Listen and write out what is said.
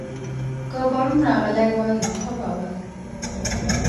که پرون راغلی وای؛ نو ښه به وای